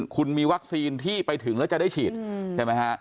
คุณมีวัคซีนที่ไปถึงแล้วจะได้ฉีดใช่ไหมฮะ